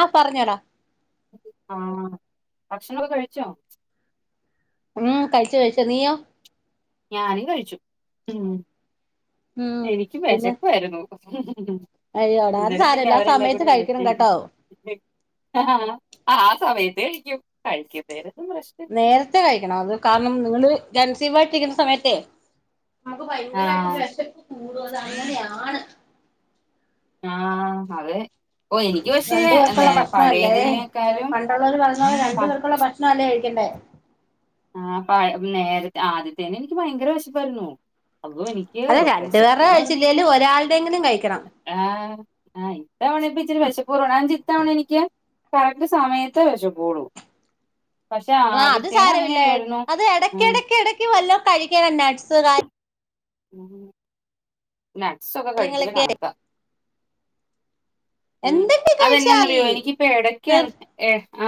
ആഹ് പറഞ്ഞോടാ ആഹ് ഭക്ഷണോക്കെ കഴിച്ചോ ഉം കഴിച്ച് കഴിച്ച് നീയോ ഞാനും കഴിച്ചു ഉം എനിക്ക് പിന്നെ വിശപ്പായിരുന്നു അയ്യോടാ അത് അന്നേരം പിന്നെ സാരല്ല ആ അവരെല്ലാം സമയത്ത് കൂടി കഴിക്കണം ഇവിടെത്തി കേട്ടോ ആ സമയത്ത് തേഴിക്കും കഴിക്കുംന്നേന് നേരത്തെ കഴിക്കണം അത് കാരണം നിങ്ങള് ജൻസീ വായിട്ടിരിക്കുന്ന സമയത്തേ നമുക്ക് ഭയങ്കരമായിട്ട് ആഹ് വിശപ്പ് കൂടും അത് അങ്ങനെയാണ് ആഹ് അതെ ഓഹ് എനിക്ക് പക്ഷേ രണ്ടു പേർക്കുള്ള നേ ഭക്ഷണം അല്ലേ പഴയതിലേക്കാളും പണ്ടുള്ളവർ പറഞ്ഞ പോലെ പ രണ്ടു പേർക്കുള്ള ഭക്ഷണം അല്ലേ കഴിക് ക്കണ്ടേ ആ പ നേരത്തെ ആദ്യത്തേന് എനിക്ക് ഭയങ്കര വിശപ്പാർന്നു അതെ രണ്ടുപേരുടെ കഴിച്ചില്ലെലും ഒരാളുടെങ്കിലും കഴിക്കണം ആഹ് അഹ് ഇത്തവണ ബി ച്ചിരി വിശപ്റവാണ് [unintelligible] ഇത്തവണ എനിക്ക് കറക്റ്റ് സമയത്ത് വെശക്കുള്ളൂ. പക്ഷേ ആഹ് ആദ്യത്തേയ്ന് അൻ [unintelligible] അത് എടക്ക ഇടക്ക ഇടക്ക് വല്ലോ കഴിക്കനം നട്സ് കാ ഉം നട്ട്സൊക്കെ കഴിക്കല് കാര്യങ്ങളൊക്കെ കണക്ക എന്തെങ്കി കയ്ച്ചലി അതെന്നാന്നറിയോ എനിക്കിപ്പ എടക്ക് ഹ് ഏ ആ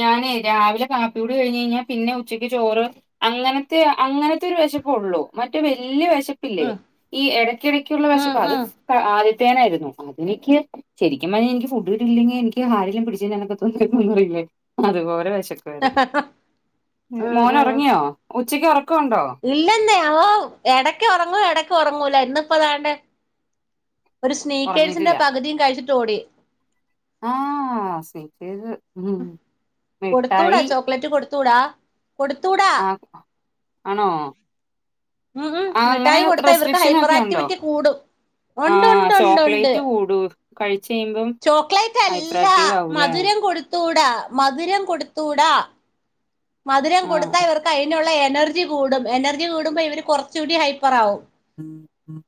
ഞാനേ രാവിലെ കാപ്പിയൂടി കഴിഞ്ഞഴിഞ്ഞാ പിന്നെ ഉച്ചക്ക് ചോറ് അങ്ങനത്തെ അ അങ്ങനത്തെരു വിശ പുള്ളു മറ്റെ വല്ല്യ വെശ് ശപ്പില്ലേ ഈ എടയ്ക്കിടക്കുള്ള വി ഉം ശപ്പ് അത് ഉം ക ആദ്യത്തേനായിരുന്നു. അതെനിക്ക് ശരിക്കും പറഞ്ഞാ എനിക്ക് ഫുഡ്കിട്ടിട്ട്ല്ലെങ്കി എനിക്ക് ആരേലും പിടിച് തിന്നാനൊക്കെ തോന്നേ [unintelligible] അത് പോലെ ച്ചക്കുആര്ന്നു ഉം മോനൊറങ്ങിയോ ഉച്ചക്ക് ഒറ ഇല്ലെന്നേ അവോ എടക്ക് ഉറങ്ങൂ എടക്ക് ഉറങ്ങൂല ഇന്നിപ്പതാണ്ട ഒരു ഒറങ്ങിയിട്ടില്ല സ്നീക്കേഴ്സിന്റെ പകുതിയും കഴിച്ചിട്ട് ഓടി ആഹ് സ്‌നേക്കേസ്സ് കൊടുത്തൂടാ ചോക്ലേറ്റ് കൊടുത്തൂടാ കൊടുത്തൂടാ ആ ആണോ ഉം ഉം ആ അങ്ങനെ മിഠായി കൊടുത്ത ഇവർക്ക് റെസ്ട്രിക്ഷൻ ഹൈപ്പർ ഒക്കെ ഉണ്ടോ ആക്ടിവിറ്റി കൂടും ആ ഒണ്ട് ഒണ്ട് ഒണ്ട് ഒണ്ട് ചോക്ലേറ്റ് കൂടൂ കഴിച്ച് കഴിയുമ്പം ചോക്ലേറ്റ് ഹൈപ്പർ അല്ല ആക്റ്റീവ് ആവൂലേ മധുര കൊടുത്തൂടാ മധുരം കൊടുത്തൂടാ മധുരം കൊടുത്താ ആഹ് ഇവർക്ക് അയിനുള്ള എനർജി കൂടും എനർജി കൂടുമ്പോൾ ഇവര് കുറച്ചുകൂടി ഹൈപ്പർ ആവും ഉം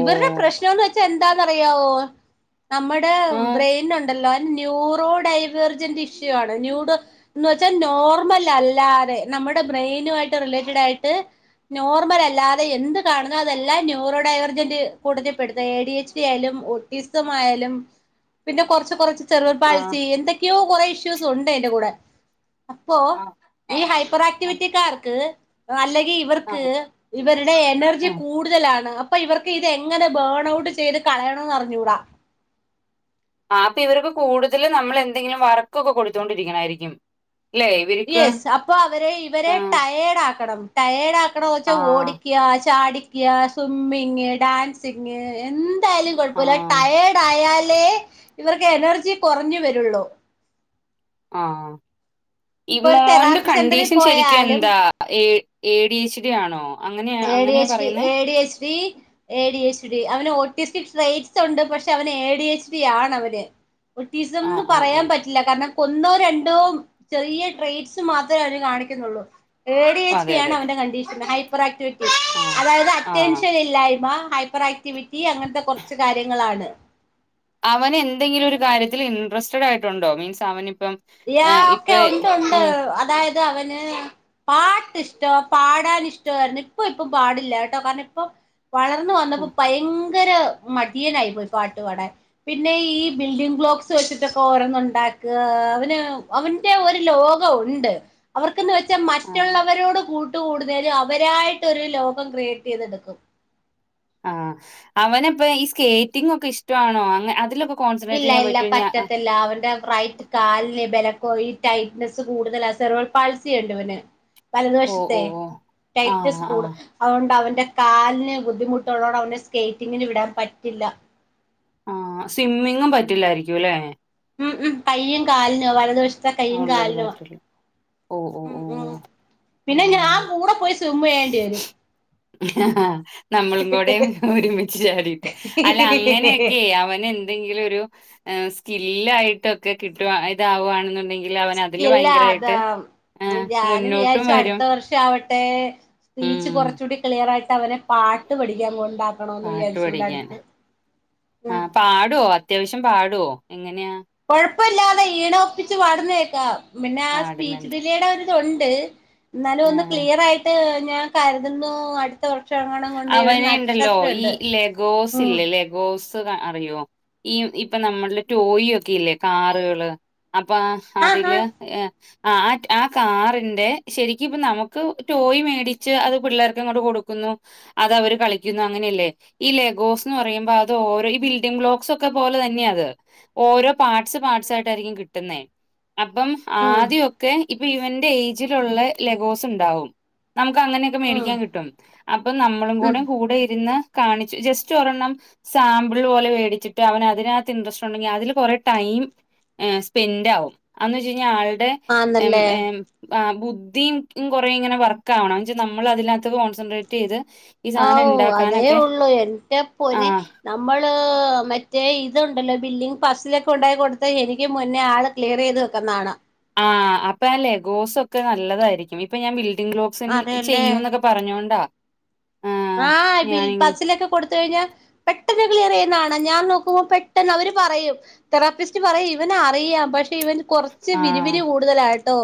ഇവരടെ പ്രശ്നോന്ന് വെച്ചാ എന്താന്നറിയാവോ നമ്മടെ ആഹ് ബ്രെയിൻ ഒണ്ടല്ലോ ന്യൂറോ ഡൈവർജന്റ് ഇഷ്യൂ ആണ് ന്യൂോ എന്ന് വെച്ചാൽ നോർമൽ അല്ലാതെ ന നമ്മുടെ ബ്രെയിനുവായിട്ട് റിലേറ്റിഡായിട്ട് നോർമൽ അല്ലാതെ എന്ത് കാണുന്നോ അതെല്ലാം ന്യൂറോഡയോ [unintelligible] എ ഡി എച്ച് റ്റി ആയാലും ഒട്ടടിസം ആയാലും പിന്നെ കൊറച്ച് കൊറച്ച് ചെറു ആഹ് പാളസി എന്തൊക്കെയോ കെറേ ഇഷ്യൂസ് ഉണ്ട് എന്റെ കൂടെ അപ്പോ ആഹ് ഈ ഹൈപ്പർ ആഹ് ആക്ടിവിറ്റിക്കാർക്ക് അല്ലെ ഇവർക്ക് ആഹ് ഇവരുടെ എനർജി ആഹ് കൂടുതലാണ് അപ്പൊ ഇവർക്ക് ഇത് എങ്ങനെ ബേൺ ഔട്ട് ചെയ്ത് കളയണോന്ന് അറിഞ്ഞൂടാ ആ അപ്പൊ ഇവർക്ക് കൂടുതല് നമ്മള് എന്തെങ്കിലും വർക്കൊക്കെ കൊടുത്തോണ്ടിരിക്കണായിരിക്കും ല്ലേ ഇവര്ക്ക് യെസ് അപ്പൊ അവരെ ഇവരെ ആഹ് ടയേഡ് ആക്കണം ടയേഡാ [unintelligible] വെച്ചാ ആഹ് ഓടിക്യ ചാടിക്യ സ്വിമ്മിങ് ഡാൻസിങ് എന്ത് ന്തായാലും കൊഴപ്പയില്ല ആഹ് ടയേഡായാ [unintelligible] ഇവർക്ക് എനർജി കൊറഞ്ഞു വെരുള്ളൂ ആ ഈ മോന്റെ തെറാപ്പി സെന്ററിൽ കണ്ടീഷൻ ശരിക്കും പോയാലും എന്താ A A D H D ആണോ അങ്ങനെയാ എ ഡി അങ്ങനെയാ എച്ച് ഡി പറയുന്നേ A D H D A D H D അവനെ ഒ [unintelligible] ടേയ്സ് ഉണ്ട് പക്ഷെ അവന് എ ഡി എച്ച് ഡി ആണ് അവന് ആഹ് ഒട്ടീസംന്ന് ആഹ് പറയാൻ ആഹ് പറ്റില്ല കാരണം ഒന്നോ രണ്ടോ ചെറിയ ട്രേസ്റ്റ് മാത്രേ അതിന് കാണിക്കുന്നുള്ളു എഡി എച്ച് അതെ ഡി ആണ് അതെ അവന്റെ കണ്ടീഷൻ ഹൈപ്പർ ആക്ടിവിറ്റി ആഹ് അതായത് ആഹ് അറ്റൻഷൻ ഇല്ലായ്മ ഹൈപ്പർ ആക്ടിവിറ്റി അങ്ങനത്തെ കുറച്ച് കാര്യങ്ങളാണ് അവന് എന്തെങ്കിലും ഒരു കാര്യത്തിൽ ഇൻഡ്രസ്റ്റഡായിട്ടുണ്ടോ മീൻസ് അവന് യാ ഒക്കെ ഒണ്ട് ഒണ്ട് അതായത് അവന് പാട്ടിഷ്ട പാ ടാൻ ഇഷ്ടായിരുന്നു ഇപ്പ ഇപ്പം പാടില്ല കേട്ടോ കാരണം ഇപ്പ വളർന്ന് വന്നപ്പോ ഉം പയ ങ്കര മടിയനായി പോയി പാട്ട്പാടാൻ പിന്നെ ഈ ബിൽഡിംഗ് ഗ്ലോക്സ് വെച്ചിട്ടൊക്കെ ഒരോന്നു ഒണ്ടാ [unintelligible] അവന്റെ ഒരു ലോകം ഒണ്ട് അവർക്കെന്ന് വെച്ചാ ആഹ് മറ്റുള്ളവരോട് കൂ ട്ട് കൂടുന്നേല് അവരായിടോരു ലോകം ക്രിയേറ്റ് ചെയ്തെടുക്കും ആ അവനപ്പ ഈ സ്കേറ്റിങ്ങ് ഒക്കെ ഇഷ്ടവാണോ അങ്ങ അതിലൊക്കെ കോൺസെൻട്രേറ്റ് ഇല്ല ചെയ്യാൻ ഇല്ല പറ്റോ ഇനി ആഹ് പറ്റത്തില്ല അവന്റെ റൈറ്റ് കാലിന് ബല ഓ ഈ ടൈറ്റ്നെസ്സ് കൂടുതലാ സെർവൽ പാൽസി ഒണ്ട് ഇവന് വലതു ഓഹ് വശത്തെ ഓഹ് ഓഹ് ആഹ് ടൈറ്റ്നസ് ആഹ് കൂടും അതുകൊണ്ട് അവൻ എന്റെ കാലിന് ബുദ്ധിമുട്ട്ള്ളോണ്ട് അവെനെ സ്കേറ്റിങ്ങിന് വിടാൻ പറ്റില്ല ആ സ്വിമ്മിങ്ങും പറ്റില്ലായിരിക്കും ല്ലെ മ് മ് കയ്യും കാലിനുവാ വലതുവശത്തെ കയ്യും ഉള്ളത് കാലിനുവാ പറ്റില്ല ഓഹ് ഓഹ് ഉം ഓഹ് പിന്നെ ഞാൻ കൂടെ പോയി സ്വിമ് ചെയ്യേണ്ടി വരും ഹ് ഹാ നമ്മളും കൂടെ ഒരുമിച്ച് ചാടിയിട്ട് അല്ല അങ്ങനെയൊക്കെ അവന് എന്തെങ്കിലൊരു എ സ്കില്ലായിട്ടൊക്കെ കിട്ടോ ഇതാവു ആണെന്നുണ്ടെ സ്കില്ലാഅതാ ആഹ് ഞാനും മുന്നോട്ടും വിയാരിച്ചു വരും അടുത്ത വർഷം ആവട്ടേ സ്പീച്ച് ഉം കൊറച്ചൂടി ക്ലിയർ ആയിട്ട് അവനെ പാട്ട് പഠിക്കാൻ കൊണ്ടാ പാട്ടു പഠിക്കാൻ ആ ഉം പാടോ അത്യാവശ്യം പാടോ എങ്ങനെയാ കൊഴപ്പില്ലാതെ ഈണോപ്പിച്ച് പാടുന്നേക്കാം പിന്നെ ആ സ്പീച്ച് പാടുന്നുണ്ട് ഡിലെയുടെ ഒരു തൊണ്ട് എന്നാലും ഒന്ന് ആഹ് ക്ലിയർ ആയിട്ട് ഞാൻ കരുതുന്നു അടുത്ത ഓ അവന്ണ്ടല്ലോ ഈ ലെഗോസ് ഉം ഇല്ലേ ലെഗോസ് തൊക്കെ അറിയോ ഈ ഇപ്പൊ നമ്മൾടെ ടോയി ഒക്കെ ഇല്ലേ കാറുകള് അപ്പൊ ആ ആഹ് ആഹ് അതില് ഏഹ് ആഹ് ആറ്റ് കാറിന്റെ ശരിക്കിപ്പ നമുക്ക് ടോയ് മേടിച്ച് അത് പിള്ളേർക്കങ്ങോട്ട് കൊടുക്കു ഉം അത് അവർ കളിക്കുന്നു അങ്ങനെയല്ലേ ഈ ലെഗോസ് എന്ന് പറയുമ്പോ അത് ഓരോ ഈ ബിൽഡിംഗ് ലോക്സ് ഒക്കെ പോലെ തന്നെയാ ത്ഹേ ഓരോ പാർസ് പാർസ് ആയിട്ടായിരിക്കും കിട്ടുന്നേ. അപ്പം ഉം ആദ്യക്കെ ഇപ്പൊ ഇവന്റെ ഏജിലുള്ള ലഗോസ് ഉണ്ടാവും നമുക്ക് അങ്ങനെയൊക്കെ ഉം ഉം മേടിക്കാൻ കിട്ടും. അപ്പൊ നമ്മളും ഉം കൂടെ കൂടെ ഇരു ന്ന് കാണിച് ജസ്റ്റ് ഒരെണ്ണം സാമ്പിൾ പോലെ വേടിച്ചിട്ട് അവനതിനകത്ത് ഇൻഡ്രസ്റ്റ് ഉണ്ടെങ്കി അതില് കൊറെ ടൈം ഏഹ് സ്പെൻഡാവും അന്ന് വെച്ചഴിഞ്ഞാ ആളുടെ ആന്നല്ലേ [unintelligible] ആഹ് ബുദ്ധീം കൊറേ ഇങ്ങനെ വർക്ക് ആവണം. എന്ന്ച്ചാ നമ്മളതിനകത്ത് കോൺസെൻട്രേറ്റ് ചെയ്ത് ഈ സാധനം ആവൂ അതേ ഉണ്ടാക്കാനൊക്കെ ഒള്ളു എന്റെ ആ പൊന്നേ നമ്മള് മറ്റേ ഇ തുണ്ടല്ലോ? ബിൽഡിങ് പസ്സിലൊക്കെ ഉണ്ടാക്കി കൊടുത്താ എനിക്ക് മുന്നേ ആള് ക്ലിയർ ചെയ്ത് വെക്കുന്ന കാണാം. ആഹ് അപ്പ അല്ലെ ഗോസൊക്കെ നല്ലതായിരിക്കും. ഇപ്പൊ ഞാൻ ബിൽ ഡിങ് [unintelligible] അതെല്ലേ ചെയ്യൂന്നൊക്കെ പറഞ്ഞോണ്ടാ. ആഹ് ആ ബിൽ ഞാനിങ്ങനെ പസിലൊക്കെ കൊടുത്തു കഴിഞ്ഞാ പെട്ടെന്ന് ക്ലിയർ ചെയുന്ന കാണാം. ഞാൻ നോക്കുമ്പോ പെട്ടെന്ന് അവര് പറയും തെറാപ്പിസ്റ്റ് പറയും ഇവന് അറിയാം. പക്ഷേ ഇവൻ കൊറച്ച് ആഹ് വിരിവിരി കൂടുതലാട്ടോ.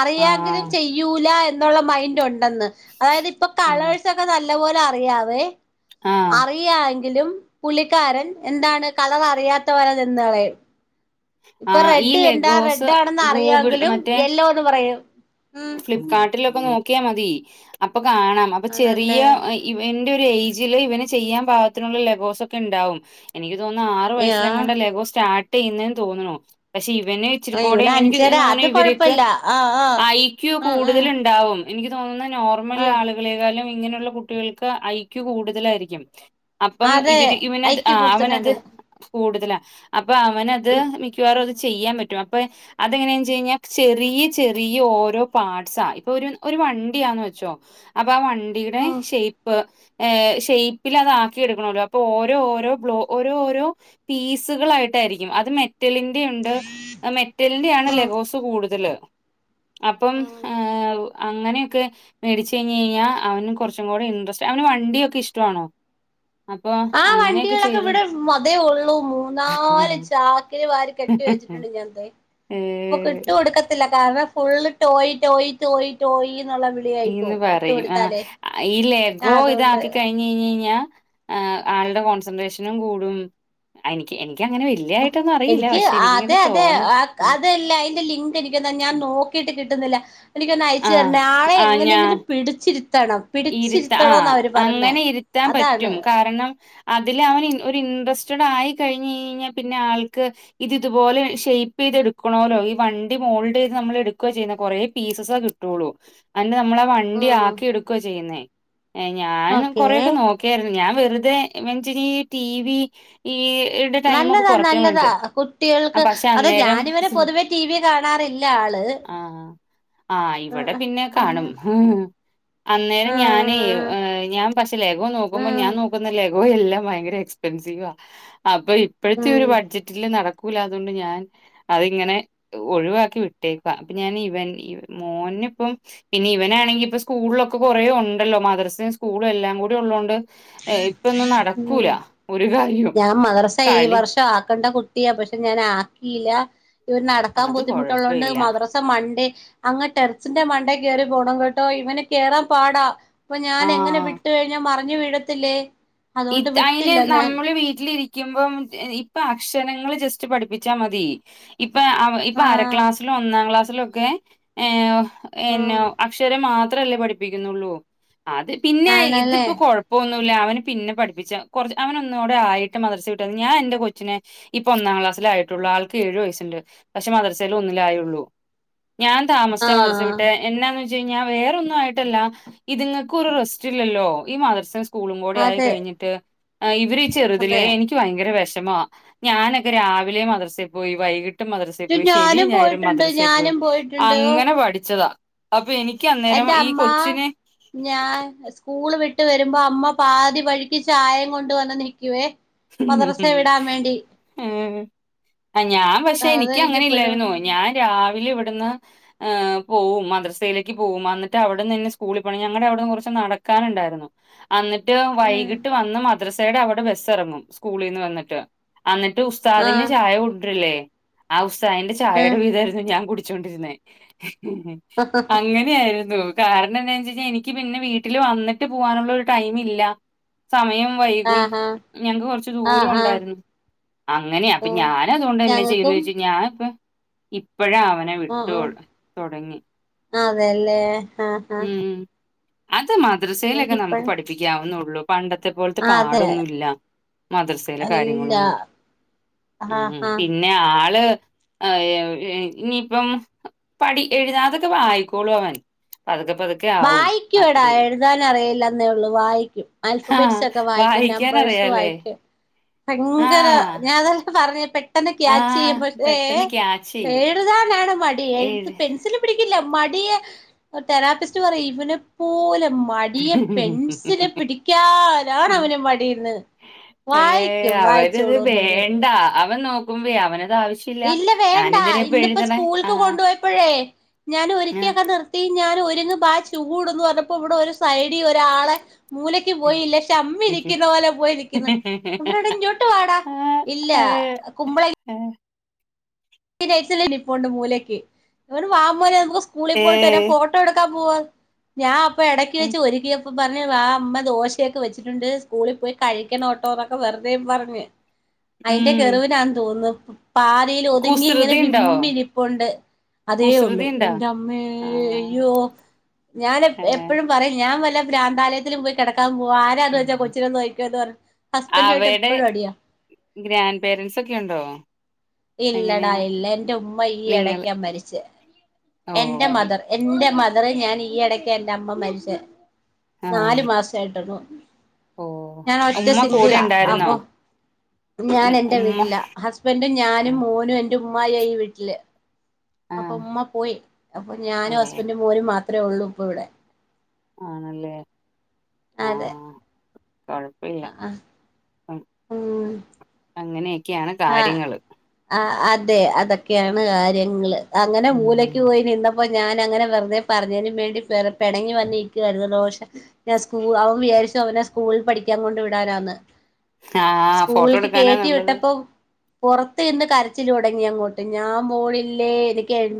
അറിയാങ്കിലും ആഹ് ചെയ്യൂലാ എന് നൊളള മൈന്റ് ഒണ്ടെന്ന്. അതായത് ഇപ്പൊ ആഹ് കളേഴ്സ് ഒക്കെ നല്ല പോലെ അറിയാവേ. ആഹ് അറിയാ ങ്കിലും പുള്ളിക്കാരൻ എന്താണ്? കളറ് അറിയാത്ത പോലെ നിന്ന് കളയും.. ഇപ്പൊ ആഹ് ഈ റെഡ് കണ്ടാ ലെഗോസ് റെഡ്ഡാണെന്ന് ഗൂഗിൾ അറിയാങ്കിലും മറ്റേ യെല്ലോന്ന് പറയും. ഉം ഫ്ലിപ്കാർട്ടിലൊക്കെ നോക്കിയാ മതി. അപ് പോ കാണാം. അപ്പൊ ചെറിയ ആണല്ലേ ഇവന്റെ ഒരു ഏ ജില് ഇവന് ചെയ്യാൻ പാകത്തിനൊള്ള ലെഗോസ് ഒക്കെ ഇണ്ടാവും. എനിക്ക് തോന്നുന്നെ ആറ് യാ വയസിലെങ്ങാണ്ട ലെഗോസ് സ്റ്റാർട് ട് ചെയ്യുന്നേന്ന് തോന്നണു. പക്ഷെ ഇവന് ആ ഇവിടെ ഇച്ചിരിക്കൂടേം എനിക്ക് അഞ്ചര തോന്നണ് അത് ഇവര്ക്ക് കൊഴപ്പല്ല ആ ആ ഐ ക്യു ആ ആ കൂടുതലുണ്ടാവും. എനിക്ക് തോന്നുന്നു നോർമൽ ആ ആളുകളെക്കാളും ഇങ്ങനെയുള്ള കുട്ടികൾക്ക് ഐക്യൂ കൂടുതലായിരിക്കും. അപ്പം അതെ ഇവര് ഇവനത് ഐക്യ ആഹ് അവനത് കൂടുതലാണ് കൂടുതലാ. അപ്പൊ അവനത് ഉം മിക്കവാറും അത് ചെയ്യാൻ പറ്റും. അപ്പൊ അതെനങ്ങനെയാച്ചു കഴിഞ്ഞാ ചെറിയ ചെ റിയ ഓരോ പാർട്ട്സാ. ഇപ്പൊ ഒരു ഒരു വണ്ടിയാന്ന് വെച്ചോ. അപ്പ ആ വണ്ടിയുടെ ഉം ഷേപ്പ് ഏഹ് ഷേപ്പിലതാക്കി എടുക്കണോലോ. അപ്പൊ ഓരോ ഓരോ ബ്ലോ ഓരോഓരോ പീസുകളായിട്ട് യിരിക്കും അത് മെറ്റലിന്റെ ഉണ്ട് മെറ്റലിന്റെ ആണ് ലെഗോസ് കൂടുതല്. അപ്പം ഉം ഏഹ് അങ്ങനെയൊക്കെ മേടിച്ച് കഴിഞ് കഴിഞ്ഞാൽ അവന് കുറച്ചും കൂടെ ഇൻട്രസ്റ്റ്, അവന് വണ്ടിയൊക്കെ ഇഷ്ടമാണോ? വാ ആ അങ്ങനെ. വണ്ടികളൊക്കെ ഇവിടെ മതേ ഉള്ളൂ ആ മൂന്നാല് ചാക്കില് വാരി കെട്ടി വെച്ചിട്ടുണ്ട് ഞാൻ ദേ. ഏ ഇപ്പൊ കിട്ടു കൊടുക്കത്തില്ല കാരണം full toy toy toy toy ന്ന് പറയും ആഹ് ഈ ആ ലെഗോ അതുകൊണ്ട് ഇതാക്കി കഴിഞ്ഞയിഞ് ഞ്ഞാ ആളുടെ കോൺസെൻട്രേഷനും കൂടും അനിക്ക് എനി എനിക്ക് അതെ അതെ തോന്നണ് അതല്ല അതിന്റെ ലിങ്ക് എനിക്കാ ഞാൻ നോക്കിട്ട് കിട് ട്ടുന്നില്ല എനിക്ക് ഒന്ന് അയച്ചു ആ ആ തരണേ ആളെ ആ ഞാൻ എങ്ങനെങ്കിലും പിടിച്ചിരി ഇരുത്ത ആഹ് അങ്ങനെ ഇരുത്താൻ അതാണ് പറ്റും കാരണം അതില് അവൻ ഒരു ഇൻട്രസ് ച്ചുടെ ആയി കഴിഞ്ഞ് ഞെയിഞ്ഞ പിന്നെ ആൾക്ക് ഇത് ഇതുപോലെ ഷേപ്പ് ചെയ്തെടുക്കണല്ലോ ഈ വണ്ടി ഹോൾഡ് ചെയ്തു നമ്മളെടുക്കുവാ ചെയ്യുന്നേ കുറെ പീസസേ കിട്ടുള്ളു. നമ്മള വണ്ടി ഉം ആക്കി എടുക്ക ചെയ്യേ ഞാൻ ഓക്കേ കൊറൊക്കെ നോക്ക ഞ വെറുതെ മച്ചരി ടി വി ഈ യുടെ ടൈമൊക്കെ നല്ലതാ കൊറയ്ക്കാൻ നല്ലതാ വേണ്ടിട്ട് ആ കുട്ടികൾക്ക് പക്ഷെ അതെ അന്നേരം ഞാന ഇവന പൊതുവേ ടി വി കാണാറില്ല ആള് ആ ആ ഇവിടെ പിന്നെ ആ കാണും അന്നേരം ഞാനേ ഞാ പക്ഷ ലഘം നോക്കുമ്പോൾ ഉം ഞാൻ നോക്കുന്നില്ലേ ലഗോ എല്ലാം ഭയങ്കര എക്സ്പീൻസിവ അപ്പൊ ഇപ്പോഴത്തെ ഉം ഒരു ബഡ്ജട്ടിൽ നട ക്കൂല്ലാത്തത്കൊണ്ട് ഞാൻ അതിങ്ങനെ ഒഴിവാക്കി വിട്ടേക്ക അപ്പൊ ഞാൻ ഇവൻ മോൻ പിന്ന ഇപ്പം പിന്നെ ഇവനാണെങ്കി ഇപ്പ സ്കൂളിലൊക്കെ കുറേ ഉണ്ടല്ലോ മദ്രസയും സ്കൂളും എല്ലാം കൂടി ഉള്ളതൊണ്ട് ഇപ്പൊന്നും നടക്കൂല ഉം ഒരു കാര്യവും. ഞാൻ മദർസ ഈ കളി വർഷം ആക്കണ്ട കുട്ടിയാ പക്ഷെ ഞാൻ ആക്കിയില്ല ഇവർ നടക്കാൻ അത് ബുദ്ധിമുട്ടുള്ളത്കൊണ്ട് കൊഴപ്പല്ല. മദ്രസ മണ്ടേ അങ്ങനെ ടെറിസിന്റെ മണ്ട യറി പോണം കേട്ടോ ഇവനെ കേയറാ പാടാ അപ്പൊ ഞാൻ എങ്ങനെ ആഹ്. വിട്ട കഴിഞ്ഞ മ റിഞ്ഞ വീഴത്തില്ലേ ഇ അതുകൊണ്ട് അയിന് വിട്ടില്ല ഞാൻ നമ്മള് വീ വീട്ടിലിരിക്ക്പ ഇപ്പൊ അക്ഷരങ്ങ ജസ്റ്റ് പഠിപ്പിച്ചാൽ മതി ഇപ്പ ഇപ്പൊ അര ആഹ് ക്ലാസ്സിലും ഒന്നാം ക്ലാസ്സിലും ഒക്കെ ന്നെ ആഹ് അക്ഷര മാത്ര അത്രല്ലേ പഠിപ്പിക്കുന്നുള്ളൂ അത് പിന്നെ ആണല്ലേ ഇതിപ്പോ കൊഴപ്പൊന്നുമില്ല അവ പിന്നെ പഠിപ്പിച്ച കുറച്ച് അവന ഒന്നൂടെ ആയിട്ട് മദർസ കട്ട ഞാ എന്റെ കൊച്ചിനെ ഇപ്പൊ ഒന്നാം ക്ലാസ്സിലായിട്ടുള്ള രാൾക്ക് ഏഴു വയസ്സുണ്ട് പക്ഷേ മദർസയിലൽ ഒന്നിലായുള്ളൂ [inaudible] ഞാൻ താമസിച്ച മദ്രസയിൽ ആഹ് വിട്ടേ എന്നാന്ന് ഞാ വേറൊന്നും ആയിട്ടല്ല ഇത്ങ്ങക്ക് ഒരു റെസ്റ്റ് ഇല്ലല്ലോ ഈ മദർസ സ്കൂളും കൂടെ ആയി അതെ കഴിഞ്ഞിട്ട് ഇവര ചെറുതിലെ അതെ എനിക്ക് ഭയങ്കര വിഷം ഞാനൊക്കെ രാവിലെ മദർസെൽ പോയി വൈകിട്ട് എട്ട് മദ്രസയിൽ പോയി ശരി ഞാനും ഞായരും പോയിട്ടുണ്ട് മദ്രസയിൽ പോയി ഞാനും പോയിട്ടുണ്ട് അങ്ങനെ പഠിച്ചതാ അപ്പൊ എനിക്ക് അന്നേരം എന്റെറെ ഈ അമ്മ കൊച്ചിനെ ഞാൻ സ്കൂള് വിട്ട ഇട്ട് വരുമ്പോ അമ്മ പാതി വഴിയ്ക്ക് ചായേം കൊണ്ട വന്ന് നിൽക്കുവേ മദ്രസ വിടാൻ വേണ്ടി ഉ ആ ഞാൻ പക്ഷെ എനിക്ക് അങ്ങനെ അതെനിക്കിപ്പഴും ഇല്ലായിരുന്നോ ഓർമ്മണ്ട് ഞാൻ രാവിലെ ഇവിടെ പോവും മദ്രസയിലേക്ക് പോകും എന്നിട്ട് അവിടെന്ന്ന്നെ സ്കൂളിൽ ഞങ്ങളുടെ അവിടെ കുറച്ച് നട ക്കാനുണ്ടായിരുന്നു എന്നിട്ട് ഉം വൈകിട്ട് വന്ന് മദ്രസയുടെ അവിടെ ബസ്സ് ഇറങ്ങും സ്കൂളിൽന്ന് വന്നിട്ട് അന്നിട്ട് ഉസ്താദിന് ആഹ് ചായ കൊണ്ടിരില്ലേ ആ ഉസ്താദിന്റെ ചായയുടെ ഉം വീതായിരുന്നു ഞാൻ കു ച്ചോണ്ടിരുന്നെ അങ്ങനെയായി കാരണം എന്താ വച്ചാൽ എനിക്ക് പിന്നെ വീട്ടില് വന്നിട്ട് പോകാനുള്ള ഒരു ടൈം ഇല്ല സമയം വൈകും ആഹ് ആഹ് ഞങ്ങക്ക് കൊറച്ച ദൂരം ആഹ് ആഹ് ഉണ്ടായിരുന്നു അങ്ങനെയ അപ്പൊ ഓ ഞാൻ അതുകൊണ്ട് എന്നന്നെ ചെയ്യന്ന് ഞങ്ങക്കും ചോച്ച ഞാനിപ്പ എ ഇപ്പഴും അവനെ വിട്ട ആഹ് തുടങ്ങി ആഹ് അതെല്ലേ ആഹ് ആഹ് ഉം അത് മദ്രസയിലൊക്കെ നമുക്ക് എനിക്കിപ്പഴും പഠിപ്പിക്കാവുന്നുള്ളു പണ്ടത്തെ പോലത്തെ ആഹ് അതെ പാടൊന്നുമ ഇല്ല മദർസയിലെ ഇല്ല കാര്യങ്ങളൊന്നും ആഹ് ഉ ആഹ് പിന്നെ ആള് ഇനിയിപ്പം പടി എഴുതാതൊക്കെ വായിക്കോളൂ അവൻ അതൊക്കെ വായിക്കൂ എടാ എഴുതാന അറിയില്ലെന്നേ ഉള്ളൂ വായിക്കും ആൽഫബെറ്റ് ആഹ് സക്ക ആയിക്ക വായിക്കാൻ നമ്പഴസ അറിയാലേ വായികും ഭയങ്കര ആഹ് ഞാൻ അതക്ക് പറഞ്ഞ പെട്ടെന്ന് ക്യാച്ച് ചെയ്യ ആഹ് പേ പെട്ടെന്ന് ക്യാച്ച് ചെയ്യും ഴുതാ ണ് മടി എഴത്ത് പെൻസിൽ പിടിക്കില്ല മടിയെ തെറാപ്പിസ്റ്റ് പറയും ഇവനെ പോലെ മടിയെ പെൻസിനെ ഏഴ് പിടിക്കാനാണ് അവന് മടിന്ന് ഏ വായിക്കും അവരത് വായിച്ചോളൂന്നവര് വേണ്ട അവൻ നോക്കുമ്പോയ അവൻ ഇല്ല വേണ്ടാ ഇന്നിപ്പോ ആ സ്കൂൾക്ക് കൊണ്ടുപോയപ്പോഴേ ഞാൻ ആ ഒരിക്കൊക്കെ നിർത്തി ഞാൻ ഒരുങ്ങങ് ബാ ചൂട്ന്ന് പറഞ്ഞപ്പോ ഇവിടെ ഒരു സൈഡിൽ ഒരാളെ മൂലയ്ക്ക് പോയില്ല പക്ഷെ അമ്മി ഇരിക്കുന്ന പോലെ പോയിരിക്കുന്നു ഇരട ചോട്ട് പാടാ ആ, ഇല്ല ഏ കുമ്പള ഏ, [unintelligible] ഉണ്ട് മൂലയ്ക്ക് ഇ വാ മോനെ നമുക്ക് സ്കൂളിൽ പോയിട്ട് വരാം ഏ, ഫോട്ടോ എടുകാം പോ ഞാൻ അപ്പ ഇടക്ക് ഉം, വെച്ച് ഒരുക്കിയ അപ്പൊ പറഞ്ഞ വ അമ്മ ദോശയൊക്കെ വെച്ചിട്ടുണ്ട് സ്കൂളിൽ പോയി കഴിക്കണോട്ടോന്നൊക്കെ വെറുതേയും പറഞ്ഞു അയിന്റെ ഉം. കിറിവ് ഞാൻ തോന്നുന്നു പാലൽ ഒതുങ്ങി ഇങ്ങനെ കുസൃതി ഉണ്ടോ വിമ്പിരിപ്പണ്ട് അതേ ഉള്ളൂ കുസൃതി ഉണ്ടോ എന്റെ അമ്മേ ആ, അയ്യോ ഞാൻ ഏ. എപ്പഴും പറയും ഞാൻ വല്ല ഭ്രാന്താലയത്തിലും പോയി കിടക്കൻ ഓ ആരാന്ന് വെച്ചാ ഉം. കൊച്ചിനന്നോയി ക്കൊ എന്ന് പറ ഹസ്ബൻഡ ആയിട്ട് അവയുടെ എപ്പോഴും അടിയാ ഗ്രാൻഡ് പോരൻറ്സ് ഒക്കെ ഉണ്ടോ ഇല്ലടാ എങ്ങനെയാ ഇല്ല എൻറെ ഉമ്മ ഈ നിങ്ങൾ ഇടക്കാ മരിച്ചേ ഓ എന്റെ മദർ എന്റെ എ മദറ് ഞാൻ ഈ ഇടയ്ക്ക് എന്റെ അമ്മ മരിച്ച ആ നാലു മാസയിട്ടാള്ളു ഓ ഞാൻ ഒറ്റ ഉമ്മ കൂടെ സിംഗിളാ ഉണ്ടായിരുന്നോ അപ്പൊ ഞാൻ ഉം, എന്റെ ഉമ്മ വീട്ടില ഹസ്ബൻറും ആ ഞാനും മോനും എന്റെ ഉമ്മായി ഈ വീട്ടില് ആ അപ്പൊ ഉമ്മ പോയി അപ്പൊ ഓ ഞാനും ഹസ്ബൻറും മോൻ മാത്രമേ ഉള്ളൂ ഇപ്പൊ ഇവിടെ ആണല്ലേ അതെ കുഴപ്പമില്ല ആ ആ അങ്ങനെയൊക്കെയാണ് ആ കാര്യങ്ങള് ആ അതെ അതൊക്കെയാണ് കാര്യങ്ങള് അങ്ങനെ ഉം മൂലക്ക് പോയി ഇന്ന അപ്പൊ ഞാൻ അങ്ങനെ വെറുതെ പറഞ്ഞതിനും വേണ്ടി പിടങ്ങി വന്ന ഇരുന്നു ോഷ ഞൻ സ്കു അവൻ വി വിചരിച്ച അവനെ സ്കൂളിൽ പഠിക്കാൻ കൊണ്ട് വിടാനാന്ന് ആഹ് ഫോട്ടോ സ്കൂളക്ക് കെറ്റി എടുക്കാനാന്നുള്ളത് വിട്ടപ്പോ പുറത്ത് ഇന്ന് കരച്ചിൽ തുടങ്ങി അങ്ങോട്ട് ഞാൻ പോനില്ലേ എനിക്ക് എഴ